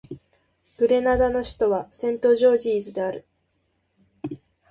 グレナダの首都はセントジョージズである